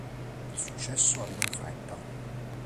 Il successo arrivò in fretta.